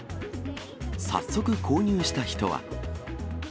早速、購入した人は。